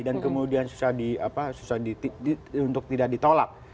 dan kemudian susah untuk tidak ditolak